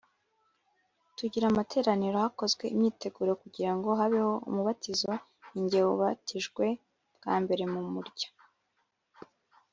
tugira amateraniro Hakozwe imyiteguro kugira ngo habeho umubatizo Ni jye wabatijwe bwa mbere mu murya